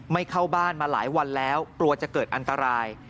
เข้าบ้านมาหลายวันแล้วกลัวจะเกิดอันตราย